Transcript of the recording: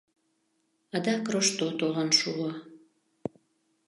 Адак Рошто толын шуо.